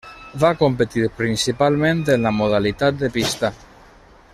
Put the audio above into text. Va competir principalment en la modalitat de la pista.